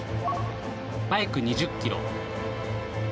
バイク２０キロ。